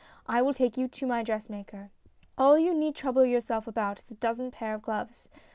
I will take you to my dressmaker. All you need trouble yourself about is a dozen pair of gloves.